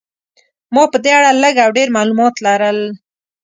ما په دې اړه لږ او ډېر معلومات لرل.